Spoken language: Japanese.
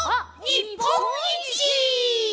にっぽんいち！！」